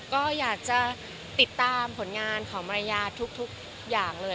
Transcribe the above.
ก็อยากจะติดตามผลงานของมารยาทุกอย่างเลย